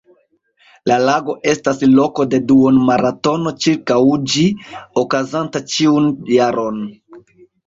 La lago estas loko de duon-maratono ĉirkaŭ ĝi, okazanta ĉiun jaron.